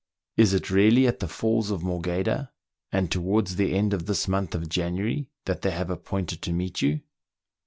" Is it really at the Falls of Morgheda, and towards the end of this month of January, that they have appointed to meet you